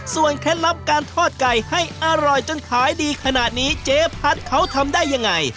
เคล็ดลับการทอดไก่ให้อร่อยจนขายดีขนาดนี้เจ๊พัดเขาทำได้ยังไง